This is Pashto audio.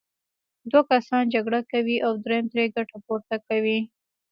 دوه کسان جګړه کوي او دریم ترې ګټه پورته کوي.